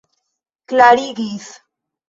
klarigis